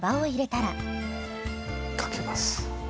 かけます。